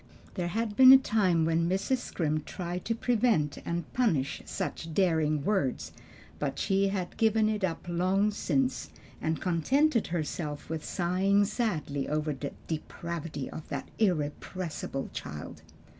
There had been a time when Mrs. Scrimp tried to prevent and punish such daring words, but she had given it up long since, and contented herself with sighing sadly over the "depravity of that irrepressible child."